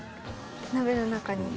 鍋の中に。